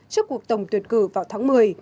trước cuộc tổng tuyệt cử vào tháng một mươi